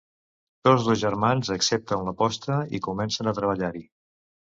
Tots dos germans accepten l'aposta i comencen a treballar-hi.